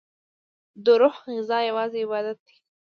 دروح غذا یوازی عبادت دی